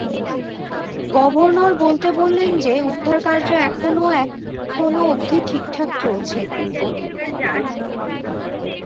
Governor বলতে বললেন যে, উদ্ধারকার্য এখনো এখনো অব্ধি ঠিকঠাক চলছে।